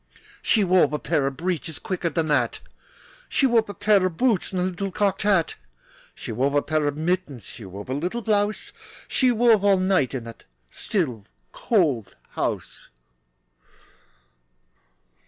She wove a pair of breeches Quicker than that! She wove a pair of boots And a little cocked hat. She wove a pair of mittens, She wove a little blouse, She wove all night In the still, cold house.